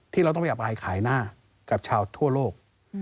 เราต้องไปอับอายขายหน้ากับชาวทั่วโลก